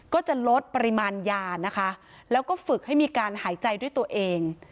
ก็จะลดปริมาณยานะคะแล้วก็ฝึกให้มีการหายใจด้วยตัวเอง